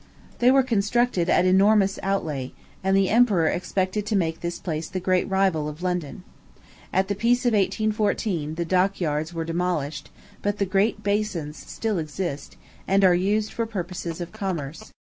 They were constructed at an enormous outlay; and the emperor expected to make this place the great rival of London. At the peace of 1814, the dock yards were demolished; but the great basins still exist, and are used for purposes of commerce.